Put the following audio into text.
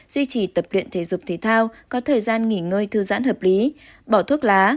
duy trì tập luyện thể dục thể thao có thời gian nghỉ ngơi thư giãn hợp lý bỏ thuốc lá